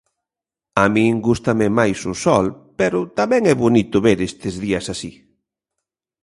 A min gústame máis o sol, pero tamén é bonito ver estes días así.